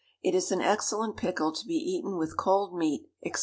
It is an excellent pickle to be eaten with cold meat, &c.